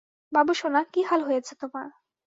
বাবুসোনা, কি হাল হয়েছে তোমার?